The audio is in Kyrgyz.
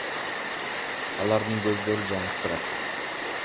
Алардын көздөрү жанып турат.